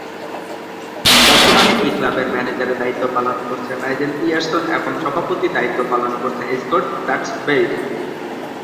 বর্তমানে এই ক্লাবের ম্যানেজারের দায়িত্ব পালন করছেন নাইজেল পিয়ারসন এবং সভাপতির দায়িত্ব পালন করছেন স্কট ডাক্সবেরি।